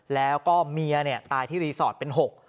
แล้วก็เมียตายที่รีสอร์ทเป็น๖